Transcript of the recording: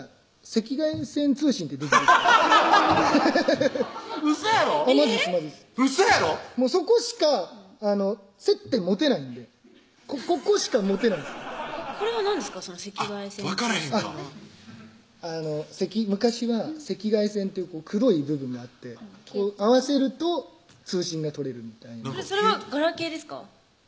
赤外線通信分からへんか昔は赤外線という黒い部分があって合わせると通信が取れるみたいなそれはガラケーですか？